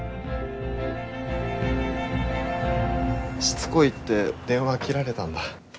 しつこいって電話切られたんだ。